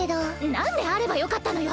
なんであればよかったのよ！